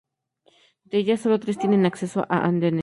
De ellas, sólo tres tienen acceso a andenes.